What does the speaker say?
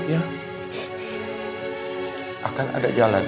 tidak akan ada jalan